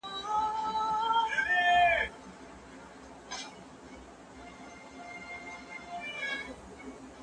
د ذمي وژونکی په مرګ محکومېږي.